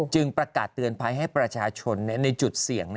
ประกาศเตือนภัยให้ประชาชนในจุดเสี่ยง